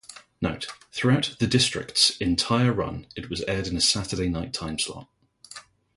Note: Throughout "The District's" entire run it was aired in a Saturday night timeslot.